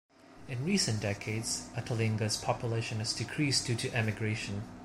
In recent decades, Atolinga's population has decreased due to emigration.